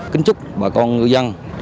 kính chúc bà con ngư dân